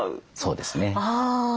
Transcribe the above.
そうですね。